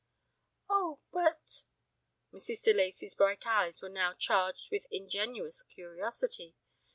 "Oh, but " Mrs. de Lacey's bright eyes were now charged with ingenuous curiosity.